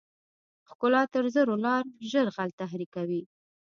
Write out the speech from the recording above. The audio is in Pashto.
ښکلا تر زرو لا ژر غل تحریکوي.